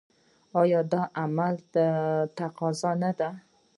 آیا دا د عقل تقاضا نه ده؟